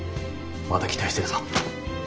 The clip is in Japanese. また期待してるぞ。